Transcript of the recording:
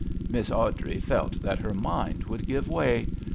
Miss Awdrey felt that her mind would give way.